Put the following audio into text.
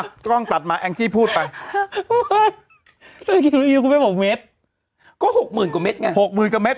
ก็ตามถามมาแองจี้พูดไปว่าก็หกหมื่นกว่ามัดไงหกหมื่นกว่าเมตร